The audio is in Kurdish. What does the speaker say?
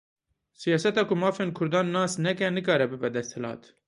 Siyaseta ku mafên Kurdan nas neke, nikare bibe desthilat.